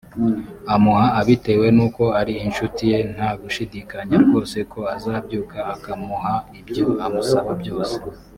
amuha abitewe n’uko ari incuti ye nta gushidikanya rwose ko azabyuka akamuha ibyo amusaba byose